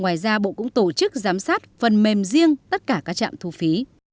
ngoài ra bộ cũng tổ chức giám sát phần mềm riêng tất cả các trạm thu phí